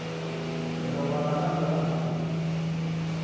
Nderoghoagha w'andu agha matuku